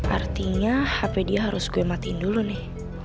artinya hp dia harus gue matiin dulu nih